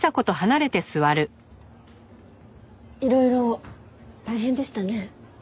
いろいろ大変でしたね。